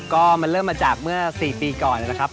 ก็มันเริ่มมาจากเมื่อ๔ปีก่อนนะครับ